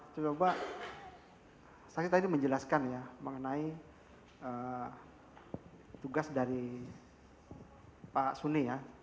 coba saya tadi menjelaskan ya mengenai tugas dari pak suni ya